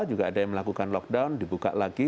juga ada yang melakukan lockdown dibuka lagi